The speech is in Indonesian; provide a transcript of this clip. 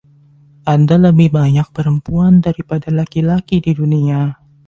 Ada lebih banyak perempuan daripada laki-laki di dunia.